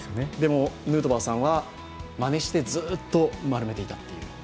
ヌートバーさんはまねして、ずっと丸めていたという。